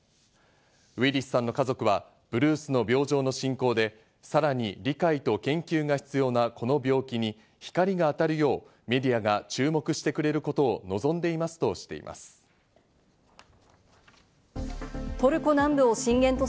ウィリスさんの家族はブルースの病状の進行で、さらに理解と研究が必要なこの病気に光が当たるよう、メディアが注目してくれることを望んでいますとしています。